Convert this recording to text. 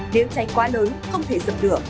nếu cháy quá lớn không thể dập lửa